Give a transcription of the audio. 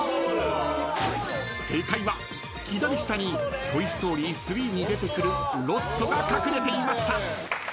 ［正解は左下に『トイ・ストーリー３』に出てくるロッツォが隠れていました］